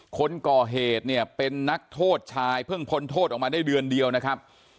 คนก่อเหตุเนี่ยเป็นนักโทษชายเพิ่งพ้นโทษออกมาได้เดือนเดียวนะครับ